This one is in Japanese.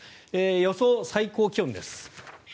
予想最高気温です。